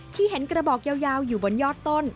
ที่เห็นกระบอกยาวอยู่บนยอดต้น